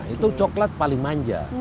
itu coklat paling manja